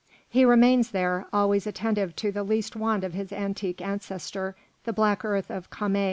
He remains there, always attentive to the least want of his antique ancestor, the black earth of Kamé.